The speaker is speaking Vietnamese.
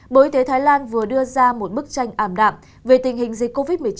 bộ y tế thái lan vừa đưa ra một bức tranh ảm đạm về tình hình dịch covid một mươi chín